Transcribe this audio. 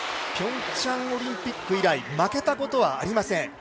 ピョンチャンオリンピック以来負けたことはありません。